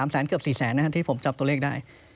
๓แสนเกือบ๔แสนที่ผมจับตัวเลขได้